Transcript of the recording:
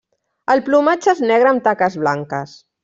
El plomatge és negre amb taques blanques.